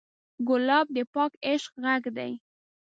ګلاب د پاک عشق غږ دی.